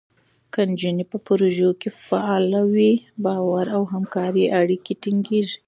که نجونې په پروژو کې فعاله وي، باور او همکارۍ اړیکې ټینګېږي.